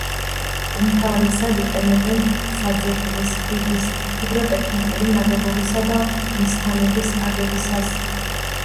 უმთავრესად იყენებენ საძირკვლის, ხიდის, ჰიდროტექნიკური ნაგებობისა და მისთანების აგებისას.